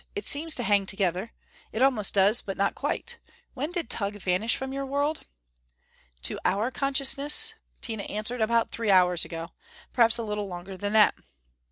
It seems to hang together. It almost does, but not quite. When did Tugh vanish from your world?" "To our consciousness," Tina answered, "about three hours ago. Perhaps a little longer than that."